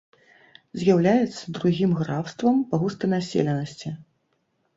З'яўляецца другім графствам па густанаселенасці.